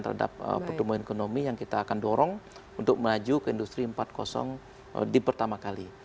terhadap pertumbuhan ekonomi yang kita akan dorong untuk melaju ke industri empat di pertama kali